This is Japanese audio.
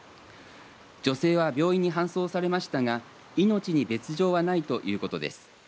女性は病院に搬送されましたが命に別状はないということです。